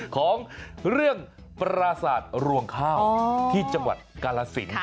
ของเรื่องปราศาสตร์รวงข้าวที่จังหวัดกาลสิน